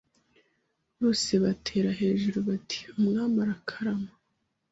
Bose batera hejuru bati ‘umwami arakarama